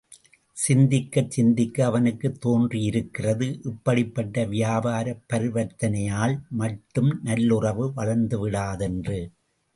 சிந்திக்கச் சிந்திக்க அவனுக்கு தோன்றியிருக்கிறது இப்படிப்பட்ட வியாபாரப் பரிவர்த்தனையால் மட்டும் நல்லுறவு வளர்ந்துவிடாது என்று.